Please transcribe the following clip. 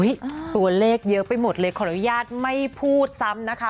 ตัวเลขเยอะไปหมดเลยขออนุญาตไม่พูดซ้ำนะคะ